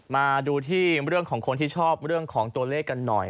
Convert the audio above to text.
มาดูที่เรื่องของคนที่ชอบเรื่องของตัวเลขกันหน่อย